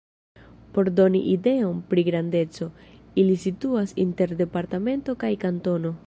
Por doni ideon pri grandeco, ili situas inter departemento kaj kantono.